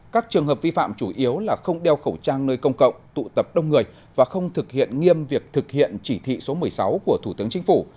các trường hợp vi phạm chủ yếu là không đeo khẩu trang nơi công cộng tụ tập đông người và không thực hiện nghiêm việc thực hiện chỉ thị số một mươi sáu của thủ tướng chính phủ